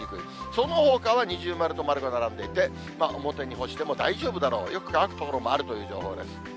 そのほかは二重丸と丸が並んでいて、表に干しても大丈夫だろう、よく乾くという所もあるという情報です。